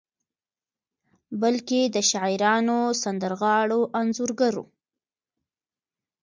بلکې د شاعرانو، سندرغاړو، انځورګرو